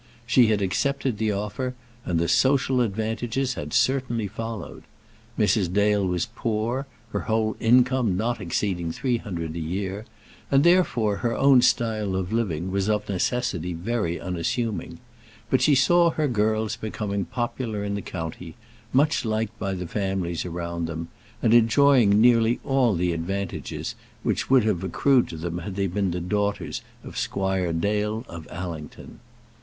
She had accepted the offer, and the social advantages had certainly followed. Mrs. Dale was poor, her whole income not exceeding three hundred a year, and therefore her own style of living was of necessity very unassuming; but she saw her girls becoming popular in the county, much liked by the families around them, and enjoying nearly all the advantages which would have accrued to them had they been the daughters of Squire Dale of Allington.